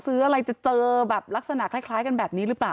ซื้ออะไรจะเจอแบบลักษณะคล้ายกันแบบนี้หรือเปล่า